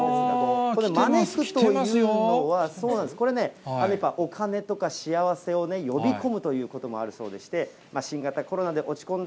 この招くというのは、これね、お金とか幸せを呼び込むということもあるそうでして、新型コロナで落ち込んだ